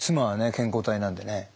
健康体なんでね。